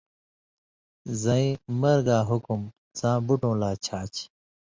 زَیں مرگاں حُکُم څاں بُٹؤں لا چھا چھی،